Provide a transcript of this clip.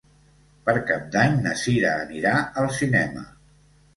Per Cap d'Any na Sira anirà al cinema.